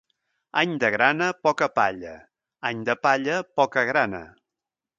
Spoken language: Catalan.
Any de grana, poca palla; any de palla, poca grana.